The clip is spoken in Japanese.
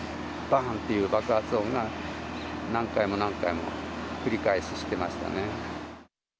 ばんっていう爆発音が、何回も何回も繰り返し、してましたね。